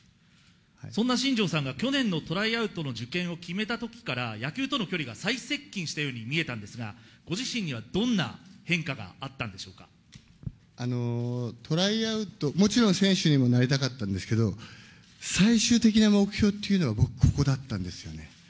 そんな新庄さんが去年のトライアウトの受験を決めたときから、野球との距離が最接近したように見えたんですが、ご自身にはどんトライアウト、もちろん選手にもなりたかったですけど、最終的な目標っていうのは、僕、ここだったんですよね。